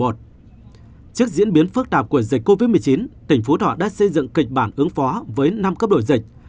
trước diễn biến phức tạp của dịch covid một mươi chín tỉnh phú thọ đã xây dựng kịch bản ứng phó với năm cấp đổi dịch